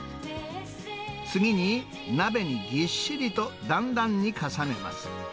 次に鍋にぎっしりとだんだんに重ねます。